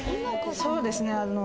そうですね。